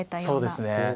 そうですね。